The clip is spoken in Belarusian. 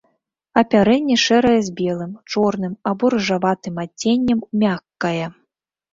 Апярэнне шэрае з белым, чорным або рыжаватым адценнем, мяккае.